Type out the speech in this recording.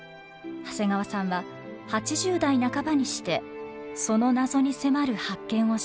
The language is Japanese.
長谷川さんは８０代半ばにしてその謎に迫る発見をします。